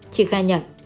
chị khai nhận